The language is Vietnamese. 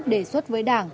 đề xuất với đảng